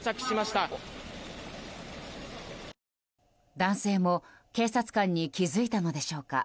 男性も警察官に気づいたのでしょうか。